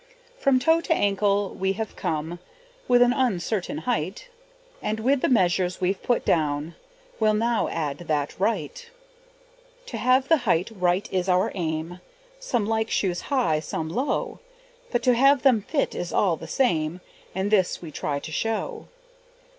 From toe to ankle we have come, With an uncertain height, And with the measures we've put down Will now add that right. To have the height right is our aim; Some like shoes high, some low; But to have them fit is all the same, And this we try to show.